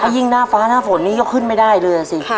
ยิ่งหน้าฟ้าหน้าฝนนี้ก็ขึ้นไม่ได้เลยสิ